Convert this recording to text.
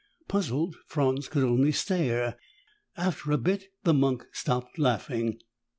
Puzzled, Franz could only stare. After a bit, the monk stopped laughing.